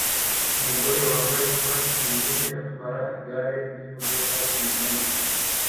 Umugore wambaye swater yijimye atwara igare n'imodoka inyuma ye